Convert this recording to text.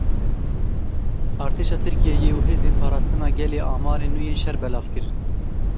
Artêşa Tirkiyeyê û Hêzên Parastina Gelê amarên nû yên şer belav kirin.